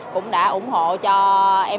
cũng đã ủng hộ cho em